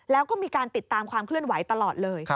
แล้วก็มีการติดตามความเคลื่อนไหวตลอดเลย